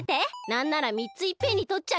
なんなら３ついっぺんにとっちゃうから！